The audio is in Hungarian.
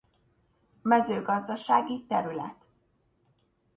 Mezőgazdasági terület.